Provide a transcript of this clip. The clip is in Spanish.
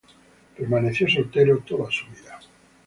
Permaneció soltero toda su vida.